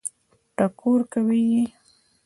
ټکور کوي یې.